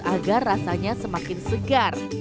agar rasanya semakin segar